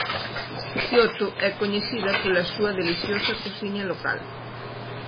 Quioto é coñecida pola súa deliciosa cociña local.